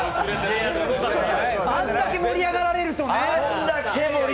あんだけ盛り上がられるとね。